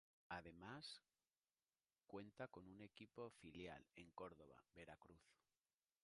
Además cuenta con un equipo filial, en Córdoba, Veracruz.